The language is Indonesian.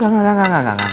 enggak enggak enggak